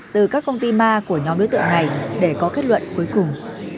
từ các công ty ma của nhóm đối tượng này để có kết luận cuối cùng